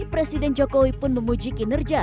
presiden jokowi pun memujiki nerja